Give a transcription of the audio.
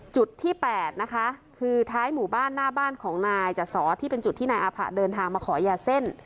จุดที่๘นะคะคือท้ายหมู่บ้านหน้าบ้านของนายจสอที่เป็นจุดที่นายอาผะเดินทางมาขอยาเส้น